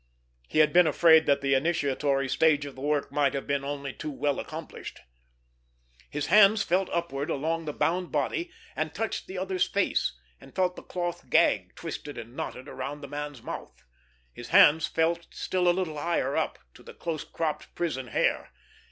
He had been afraid that the initiatory stage of the work might have been only too well accomplished. His hands felt upward along the bound body, and touched the other's face, and felt the cloth gag twisted and knotted around the man's mouth. His hands felt still a little higher up—to the close cropped prison hair.